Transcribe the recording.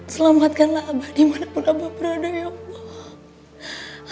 selamatkanlah abah di mana pun abah berada ya allah